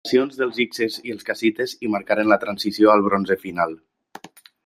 Les invasions dels hikses i els cassites hi marcaren la transició al bronze final.